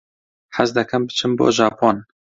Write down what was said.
حەز دەکەم بچم بۆ ژاپۆن.